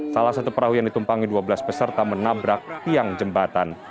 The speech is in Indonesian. salah satu perahu yang ditumpangi dua belas peserta menabrak tiang jembatan